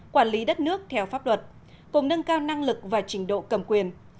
quản lý đất nước theo pháp luật cùng nâng cao năng lực và trình độ cầm quyền